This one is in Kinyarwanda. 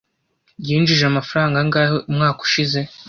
Yinjije amafaranga angahe umwaka ushize?